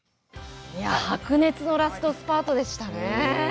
白熱のラストスパートでしたね。